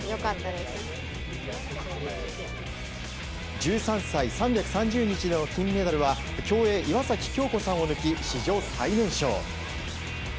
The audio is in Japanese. １３歳３３０日の金メダルは競泳・岩崎恭子さんを抜き史上最年少。